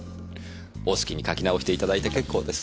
お好きに書き直していただいて結構です。